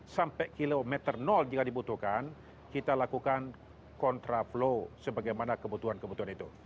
sampai kilometer jika dibutuhkan kita lakukan kontraflow sebagaimana kebutuhan kebutuhan itu